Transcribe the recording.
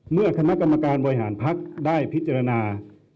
เมื่อคณะกรรมการบริหารภักดิ์ได้พิจารณา